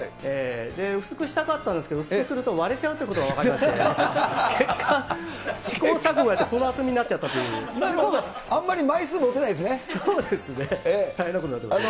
薄くしたかったんですけど、薄くすると割れちゃうということが分かりまして、結果、試行錯誤やってこの厚みになっちゃったっなるほど。